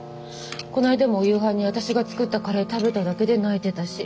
こないだもお夕飯に私が作ったカレー食べただけで泣いてたし。